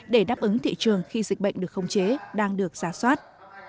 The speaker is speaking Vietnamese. để đáp ứng thị trường khi dịch bệnh được không chế đang được giá soát